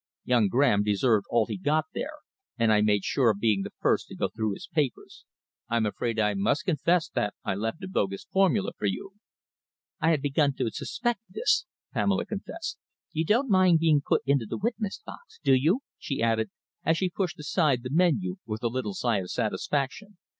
Young Graham deserved all he got there, and I made sure of being the first to go through his papers. I'm afraid I must confess that I left a bogus formula for you." "I had begun to suspect this," Pamela confessed. "You don't mind being put into the witness box, do you?" she added, as she pushed aside the menu with a little sigh of satisfaction.